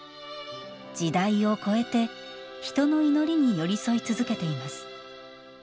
時代を越えて、人の祈りに寄り添い続けています。